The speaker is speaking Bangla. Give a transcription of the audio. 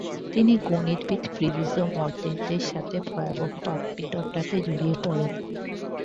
তিনি গণিতবিদ ফিব্রিজো মরদেন্তের সাথে ভয়াবহ বাকবিতণ্ডাতে জড়িয়ে পড়েন।